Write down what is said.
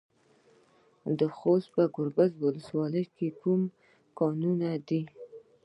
د خوست په ګربز کې کوم کانونه دي؟